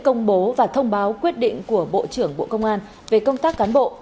công bố và thông báo quyết định của bộ trưởng bộ công an về công tác cán bộ